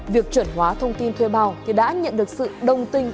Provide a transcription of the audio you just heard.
việc chuẩn hóa thông tin thuê bao thì đã nhận được sự đồng tình